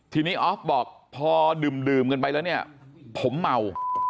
ทีนี้ออฟบอกพอดื่มกันไปแล้วเนี่ยผมเมา